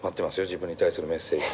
自分に対するメッセージ。